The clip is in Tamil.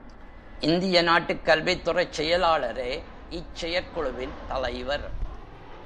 இந்திய நாட்டுக் கல்வித் துறைச் செயலாளரே இச் செயற்குழுவின் தலைவர்.